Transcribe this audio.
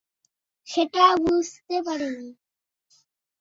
সেটা বুঝতে পারিনি।